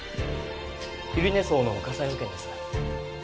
百合根荘の火災保険です。